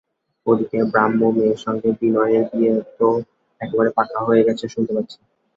ও-দিকে ব্রাহ্ম মেয়ের সঙ্গে বিনয়ের বিয়ে তো একেবারে পাকা হয়ে গেছে শুনতে পাচ্ছি।